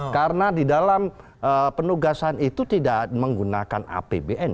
karena di dalam penugasan itu tidak menggunakan apbn